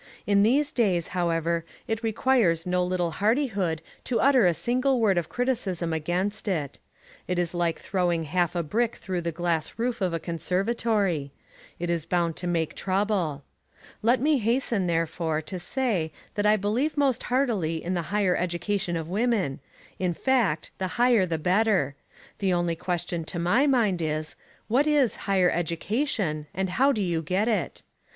In these days, however, it requires no little hardihood to utter a single word of criticism against it. It is like throwing half a brick through the glass roof of a conservatory. It is bound to make trouble. Let me hasten, therefore, to say that I believe most heartily in the higher education of women; in fact, the higher the better. The only question to my mind is: What is "higher education" and how do you get it?